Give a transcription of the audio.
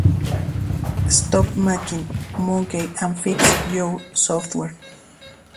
Stop making money and fix your software!!